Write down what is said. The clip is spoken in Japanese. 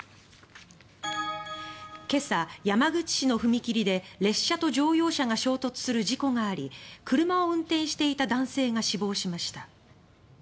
今朝、山口市の踏切で列車と乗用車が衝突する事故があり車を運転していた男性が死亡しました。